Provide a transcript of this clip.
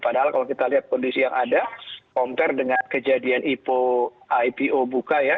padahal kalau kita lihat kondisi yang ada compare dengan kejadian ipo buka ya